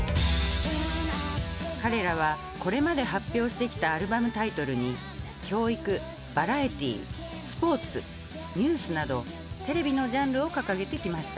彼らはこれまで発表してきたアルバムタイトルに教育バラエティースポーツニュースなどテレビのジャンルを掲げてきました。